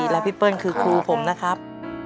และพี่เปิ้ลคือครูผมนะครับ